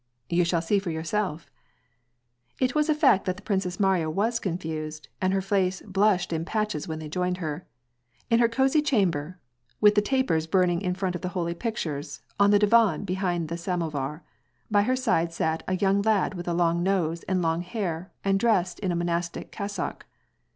" You shall see for yourself." It was a fact that the Princess Mariya was confused, and her face blushed in patches when they joined her. In her cosy chamber, with the tapers burning in front of the holy pictures, on the divan behind the samovar, by her side sat a young lad with a long nose and long hair, and dressed in a monastic cas sock.